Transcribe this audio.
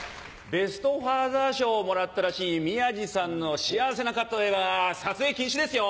ベスト・ファーザー賞をもらったらしい宮治さんの幸せな家庭は撮影禁止ですよ。